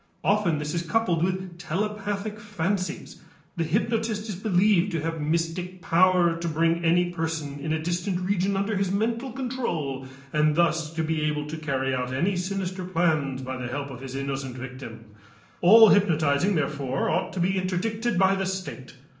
Often this is coupled with telepathic fancies. The hypnotist is believed to have mystic power to bring any person in a distant region under his mental control and thus to be able to carry out any sinister plans by the help of his innocent victim. All hypnotizing therefore ought to be interdicted by the state.